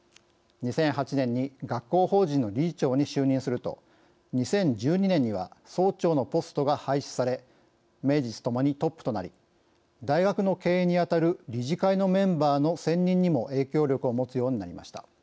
２００８年に学校法人の理事長に就任すると２０１２年には総長のポストが廃止され名実ともにトップとなり大学の経営に当たる理事会のメンバーの選任にも影響力を持つようになりました。